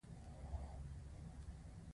که هغه پنځه قاعدې نقض کړي.